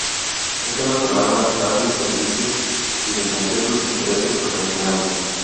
En una palabra, darles servicios y defender sus intereses profesionales.